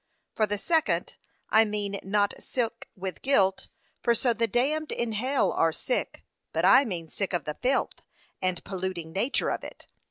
For the second. I mean not sick with guilt, for so the damned in hell are sick, but I mean sick of the filth, and polluting nature of it.